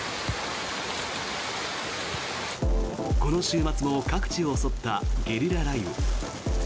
この週末も各地を襲ったゲリラ雷雨。